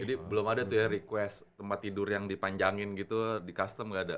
jadi belum ada tuh ya request tempat tidur yang dipanjangin gitu di custom gak ada